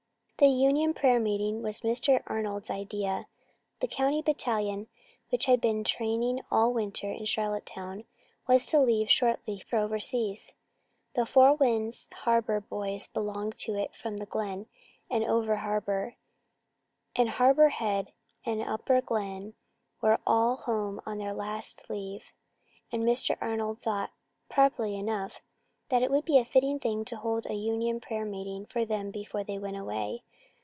The union prayer meeting was Mr. Arnold's idea. The county battalion, which had been training all winter in Charlottetown, was to leave shortly for overseas. The Four Winds Harbour boys belonging to it from the Glen and over harbour and Harbour Head and Upper Glen were all home on their last leave, and Mr. Arnold thought, properly enough, that it would be a fitting thing to hold a union prayer meeting for them before they went away.